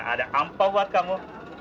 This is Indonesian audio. ada apa buat kamu